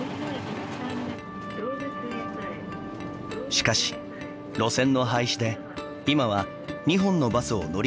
しかし路線の廃止で今は２本のバスを乗り継ぐ毎日。